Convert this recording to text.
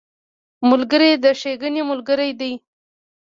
ملګری د ښېګڼې ملګری دی